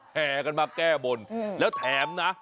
แห่กันมาแก้บนแล้วแถมนะ